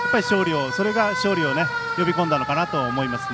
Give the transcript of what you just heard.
それが勝利を呼び込んだのかなと思います。